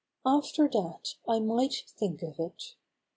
After that I might think of it.